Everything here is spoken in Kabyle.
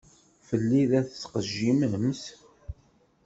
Fell-i i la tettqejjimemt?